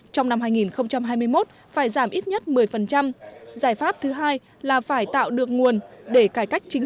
trong năm hai nghìn hai mươi một phải giảm ít nhất một mươi giải pháp thứ hai là phải tạo được nguồn để cải cách chính